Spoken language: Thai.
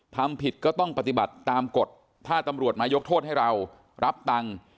ทำผิดก็ต้องปฏิบัติตามกฎถ้าตำรวจมายกโทษให้เรารับตังค์